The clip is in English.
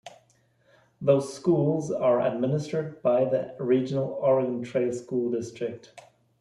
Those schools are administered by the regional Oregon Trail School District.